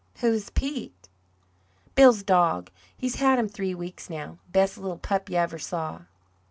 "Who is Pete?" "Bill's dog. He's had him three weeks now best little pup you ever saw!"